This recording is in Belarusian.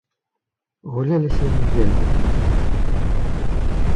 Гулялі сёння вельмі выдатна.